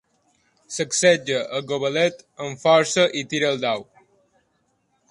Sacseja el gobelet amb força i tira el dau.